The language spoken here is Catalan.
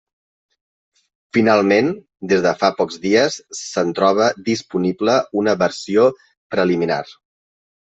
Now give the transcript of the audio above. Finalment, des de fa pocs dies se'n troba disponible una versió preliminar.